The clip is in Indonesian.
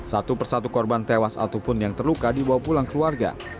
satu persatu korban tewas ataupun yang terluka dibawa pulang keluarga